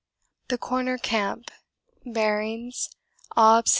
The Corner Camp. [Bearings: Obs.